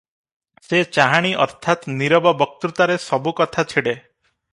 ସେ ଚାହାଣୀ ଅର୍ଥାତ୍ ନୀରବ ବକ୍ତୃତାରେ ସବୁ କଥା ଛିଡ଼େ ।